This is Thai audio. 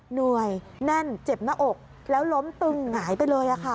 เหนื่อยแน่นเจ็บหน้าอกแล้วล้มตึงหงายไปเลยค่ะ